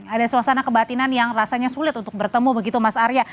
ada suasana kebatinan yang rasanya sulit untuk bertemu begitu mas arya